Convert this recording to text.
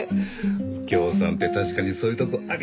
右京さんって確かにそういうとこありますよね。